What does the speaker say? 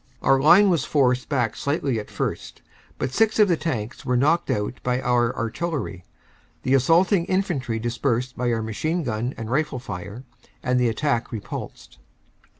Our line was forced back slightly at first, but six of the Tanks were knocked out by our Artillery, the assaulting Infantry dispersed by our machine gun and rifle fire, and the attack repulsed.